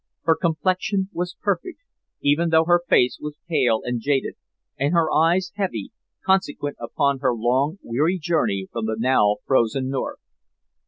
Her complexion was perfect, even though her face was pale and jaded, and her eyes heavy, consequent upon her long, weary journey from the now frozen North.